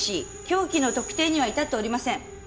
凶器の特定には至っておりません。